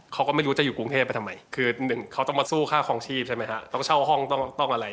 เขาก็ไม่รู้จะอยู่กรุงเทพไปทำไมคือหนึ่งเขาต้องมาสู้ค่าคลองชีพใช่ไหมฮะต้องเช่าห้องต้องต้องอะไร